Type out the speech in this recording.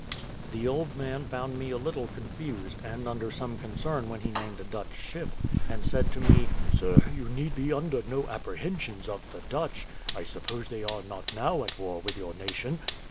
The old man found me a little confused, and under some concern when he named a Dutch ship, and said to me, "Sir, you need be under no apprehensions of the Dutch; I suppose they are not now at war with your nation?"